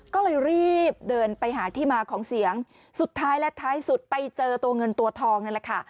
ก็เลยรีบเดินไปหาที่มาของเสียงสุดท้ายและท้ายสุดไปเจอตัวเงินตัวทองนั่นแหละค่ะ